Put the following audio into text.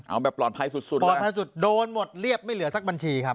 เอาแบบปลอดภัยสุดสุดปลอดภัยสุดโดนหมดเรียบไม่เหลือสักบัญชีครับ